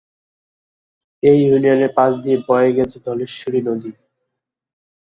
এই ইউনিয়নের পাশ দিয়ে বয়ে গেছে ধলেশ্বরী নদী।